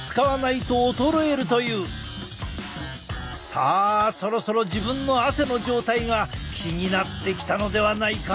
さあそろそろ自分の汗の状態が気になってきたのではないか？